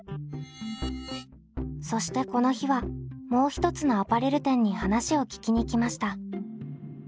そしてこの日はもう一つのアパレル店に話を聞きに来ました。